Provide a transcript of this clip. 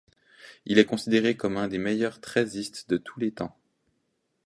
Il est considéré comme un des meilleurs treizistes de tous les temps.